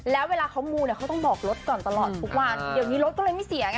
แล้วเวลาเขามูเนี่ยเขาต้องบอกรถก่อนตลอดทุกวันเดี๋ยวนี้รถก็เลยไม่เสียไง